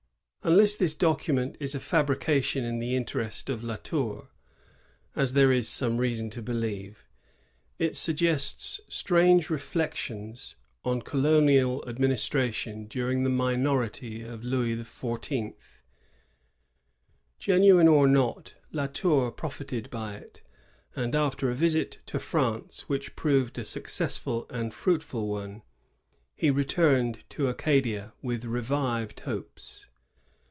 ^ Unless this document is a fabrication in the inter est of La Tour, as there is some reason to believe, it suggests strange reflections on colonial administra tion during the minority of Louis XIV. Genuine or not, La Tour profited by it, and after a visit to France, which proved a successful and fruitful one, he returned to Acadia with revived hopes.